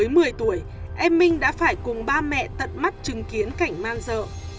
mới một mươi tuổi em minh đã phải cùng ba mẹ tận mắt chứng kiến cảnh man dợ